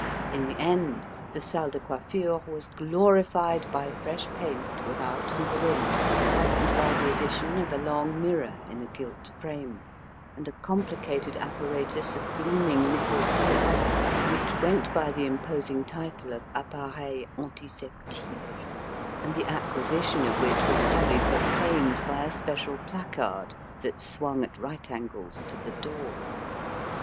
In the end, the salle de coiffure was glorified by fresh paint without and within, and by the addition of a long mirror in a gilt frame, and a complicated apparatus of gleaming nickel plate, which went by the imposing title of appareil antiseptique, and the acquisition of which was duly proclaimed by a special placard that swung at right angles to the door.